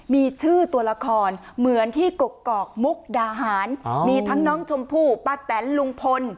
มีชื่อตัวละครเหมือนที่กกอกมุกดาหารมีทั้งน้องชมพู่ป้าแตนลุงพล